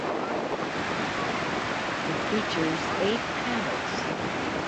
It features eight panels.